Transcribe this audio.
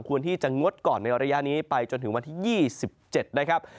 ควรที่จะงดก่อนในระยะนี้ไปจนถึงวันที่๒๗นะครับ